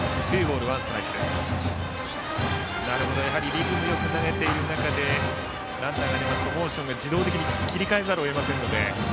リズムよく投げている中でランナーが出ますとモーションは自動的に切り替えざるを得ませんので。